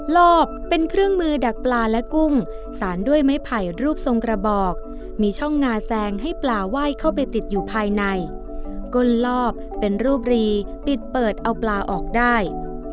รอบเป็นเครื่องมือดักปลาและกุ้งสารด้วยไม้ไผ่รูปทรงกระบอกมีช่องงาแซงให้ปลาไหว้เข้าไปติดอยู่ภายในก้นลอบเป็นรูปรีปิดเปิดเอาปลาออกได้